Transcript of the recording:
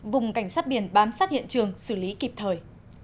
vùng cảnh sát biển bám sát hiện trường xử lý kịp thời